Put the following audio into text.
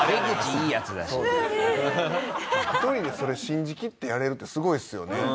１人でそれ信じ切ってやれるってすごいですよね。